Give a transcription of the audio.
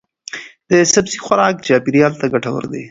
د سبزی خوراک چاپیریال ته ګټور دی.